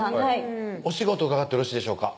お仕事伺ってよろしいでしょうか？